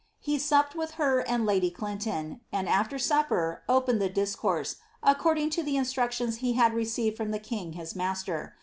He supped with her and lady Clinton, and, after supper, opened the discourse, according to the instructions he had received from the king his master.